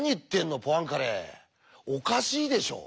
おかしいでしょ！